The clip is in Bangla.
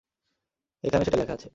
এখানে সেটা লেখা আছে।